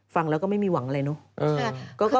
ฟังแล้วก็ไม่มีหวังอะไรเนอะ